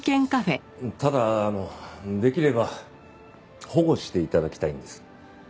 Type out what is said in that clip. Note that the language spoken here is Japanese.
ただあのできれば保護して頂きたいんです。